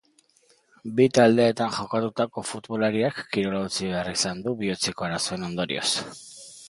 Bi taldeetan jokatutako futbolariak kirola utzi behar izan du bihotzeko arazoen ondorioz.